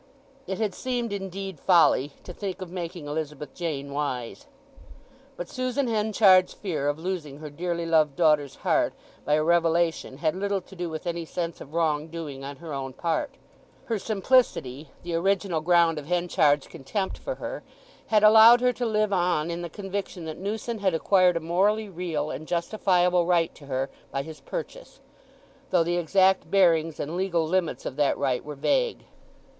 It had seemed, indeed folly to think of making Elizabeth Jane wise. But Susan Henchard's fear of losing her dearly loved daughter's heart by a revelation had little to do with any sense of wrong doing on her own part. Her simplicity—the original ground of Henchard's contempt for her—had allowed her to live on in the conviction that Newson had acquired a morally real and justifiable right to her by his purchase—though the exact bearings and legal limits of that right were vague.